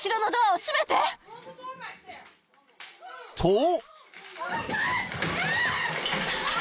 ［と］